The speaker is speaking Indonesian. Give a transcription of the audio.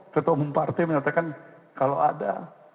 ketua umum partai menyatakan kalau ada